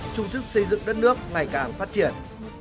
chung sức xây dựng đất nước ngày càng phát triển